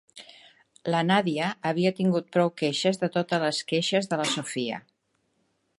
La Nadia havia tingut prou queixes de totes les queixes de la Sofia.